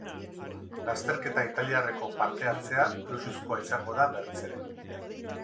Lasterketa italiarreko parte hartzea luxuzkoa izango da berriz ere.